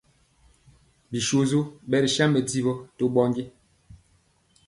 Bisoso ɓɛ ri sa mɛ gwɔwɔ to ɓɔndi.